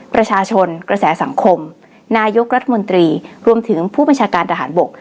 ประชาชนกระแสสังคมนายกรัฐมนตรีรวมถึงผู้บัญชาการทหารบก